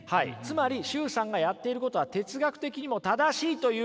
つまり崇さんがやっていることは哲学的にも正しいということで。